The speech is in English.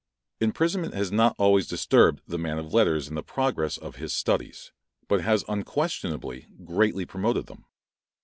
Imprisonment has not always disturbed the man of letters in the progress of his studies, but has unquestionably greatly promoted them.